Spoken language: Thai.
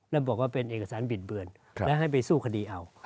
แล้วบอกว่าเป็นเอกสารบิดเบือนและให้ไปสู้คดีเอา